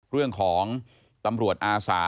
เรื่องของตำรวจอาสา